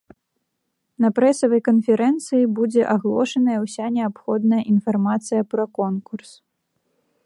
На прэсавай канферэнцыі будзе агалошаная ўся неабходная інфармацыя пра конкурс.